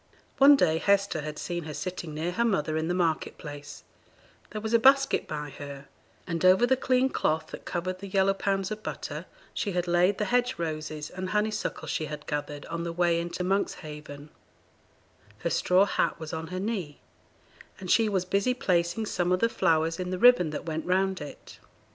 One day Hester had seen her sitting near her mother in the market place; there was a basket by her, and over the clean cloth that covered the yellow pounds of butter, she had laid the hedge roses and honeysuckles she had gathered on the way into Monkshaven; her straw hat was on her knee, and she was busy placing some of the flowers in the ribbon that went round it.